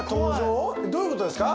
どういうことですか？